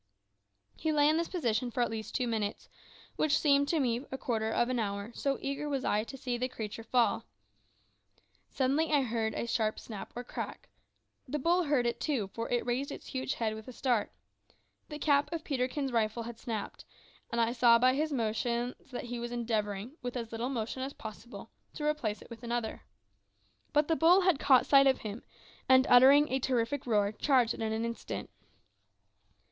He lay in this position for at least two minutes, which seemed to me a quarter of an hour, so eager was I to see the creature fall. Suddenly I heard a sharp snap or crack. The bull heard it too, for it raised its huge head with a start. The cap of Peterkin's rifle had snapped, and I saw by his motions that he was endeavouring, with as little motion as possible, to replace it with another. But the bull caught sight of him, and uttering a terrific roar charged in an instant.